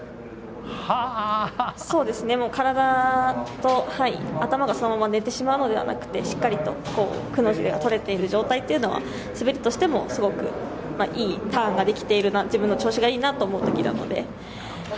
体と頭がそのまま寝てしまうのではなくてしっかりと、くの字がとれている状態っていうのは滑りとしてもすごくいいターンができているな自分の調子がいいなと思うときなので。